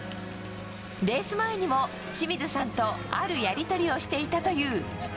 レース前にも清水さんとあるやり取りをしていたという。